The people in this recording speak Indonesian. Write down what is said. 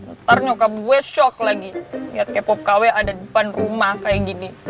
ntar nyokap gue shock lagi lihat k pop kw ada depan rumah kayak gini